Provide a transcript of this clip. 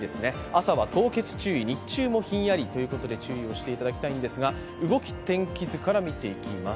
朝は凍結注意、日中もひんやりということで注意をしていただきたいんですが、動く天気図から見ていきます。